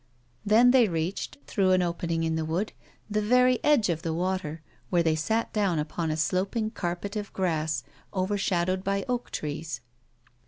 Then they reached, through an opening in the wood, the very edge of the water, where they sat down upon a sloping carpet of grass, overshadowed by oak trees.